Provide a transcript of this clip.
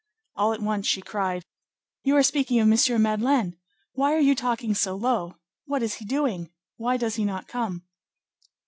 All at once she cried:— "You are speaking of M. Madeleine! Why are you talking so low? What is he doing? Why does he not come?"